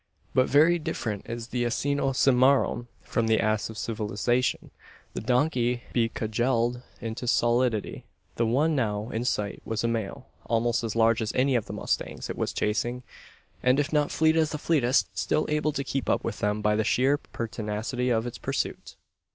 But very different is the "asino cimmaron" from the ass of civilisation the donkey be cudgelled into stolidity. The one now in sight was a male, almost as large as any of the mustangs it was chasing; and if not fleet as the fleetest, still able to keep up with them by the sheer pertinacity of its pursuit!